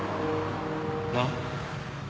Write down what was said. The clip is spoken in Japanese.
なっ？